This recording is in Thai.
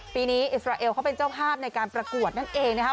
ปีนี้อิสราเอลเขาเป็นเจ้าภาพในการประกวดนั่นเองนะครับ